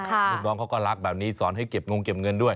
ลูกน้องเขาก็รักแบบนี้สอนให้เก็บงงเก็บเงินด้วย